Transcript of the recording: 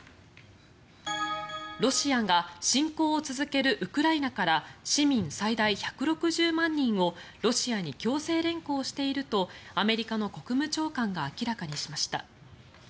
ロシアが侵攻を続けるウクライナから市民最大１６０万人をロシアに強制連行しているとアメリカの国務長官が明らかにしました。